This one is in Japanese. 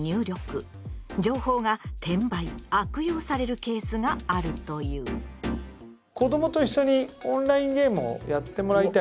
情報が転売・悪用されるケースがあるという。と思いますね。